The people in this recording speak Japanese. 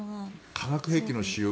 化学兵器の使用